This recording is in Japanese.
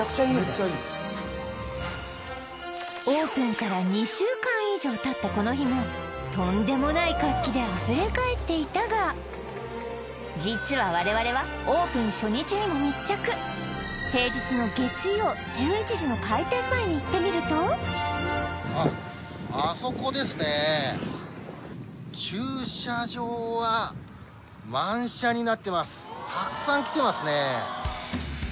めっちゃいいオープンから２週間以上たったこの日もとんでもない活気であふれかえっていたが実は我々はオープン初日にも密着平日の月曜１１時の開店前に行ってみるとあっあそこですねたくさん来てますね